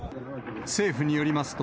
政府によりますと、